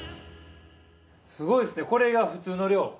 すごいですねこれが普通の量？